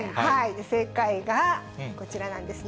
正解がこちらなんですね。